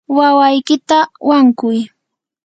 wawaykita wankuy.